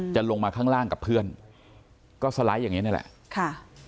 จะลงมาข้างล่างกับเพื่อนก็สไลด์อย่างนี้นี่แหละค่ะ